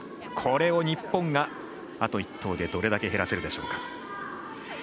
これを日本が、あと１投でどれだけ減らせるでしょうか。